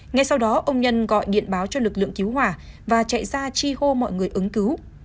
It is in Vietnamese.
ngay sau đó ông nhân gọi điện báo cho lực lượng cứu hỏa và chạy ra chi hô mọi người ứng cứu